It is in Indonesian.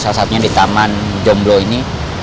salah satunya di taman jomblo ini